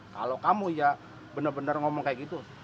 kalau kamu ya benar benar ngomong kayak gitu